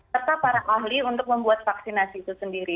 serta para ahli untuk membuat vaksinasi itu sendiri